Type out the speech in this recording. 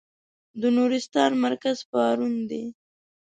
د نورستان مرکز پارون دی.